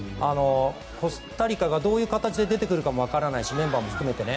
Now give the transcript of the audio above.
コスタリカがどういう形で出てくるかもわからないしメンバーも含めて。